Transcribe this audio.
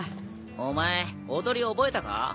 お前踊り覚えたか？